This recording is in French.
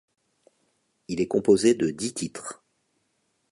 Il est composé de dix titres.